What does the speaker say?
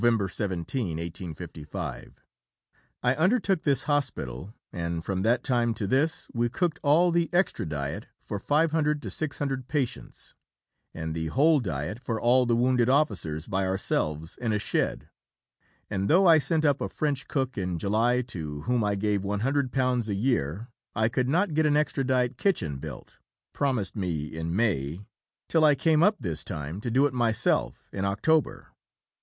17, 1855), "I undertook this Hospital, and from that time to this we cooked all the Extra Diet for 500 to 600 patients, and the whole diet for all the wounded officers by ourselves in a shed; and though I sent up a French cook in July to whom I gave £100 a year, I could not get an Extra Diet Kitchen built, promised me in May, till I came up this time to do it myself in October.